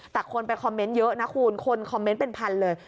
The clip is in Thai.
แต่คนไปคอมเมนต์เยอะนะคุณคนคอมเมนต์เป็นพันเลย